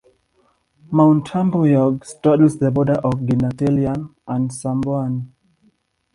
Mount Hambubuyog straddles the border of Ginatilan and Samboan.